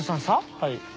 はい。